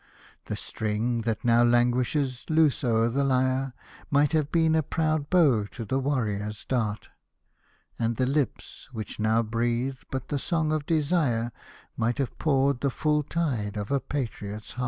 The string, that now languishes loose o'er the lyre, Might have bent a proud bow to the warrior's dart ; And the lips, which now breathe but the song of desire, Might have poured the fall tide of a patriot's heart.